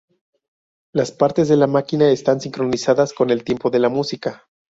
Las partes de la máquina están sincronizadas con el tiempo de la música.